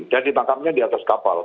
jadi ditangkapnya di atas kapal